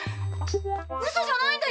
ウソじゃないんだよ！